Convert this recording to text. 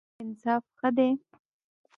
انصاف ښه دی.